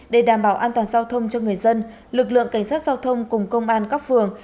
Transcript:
để đảm bảo an toàn giao thông cho người dân lực lượng cảnh sát giao thông cùng công an các phường